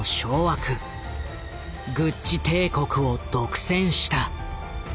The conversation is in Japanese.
グッチ帝国を独占した。